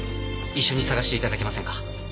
一緒に捜して頂けませんか？